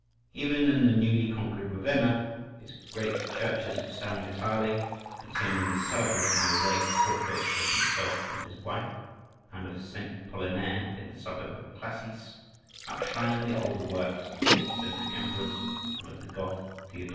Even in the newly conquered Ravenna his great churches of San Vitale, containing the celebrated mosaic portraits of himself and his wife, and of St. Apollinare in the suburb of Classis, outshine the older works of the fifth century emperors and of the Goth Theodoric.